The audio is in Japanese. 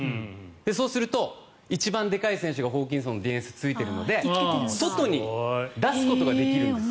そうすると、一番でかい選手がホーキンソンのディフェンスについているので外に出すことができるんです。